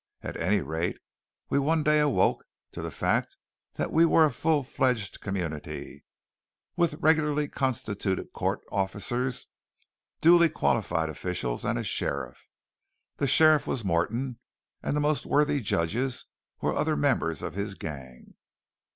At any rate, we one day awoke to the fact that we were a full fledged community, with regularly constituted court officers, duly qualified officials, and a sheriff. The sheriff was Morton, and the most worthy judges were other members of his gang!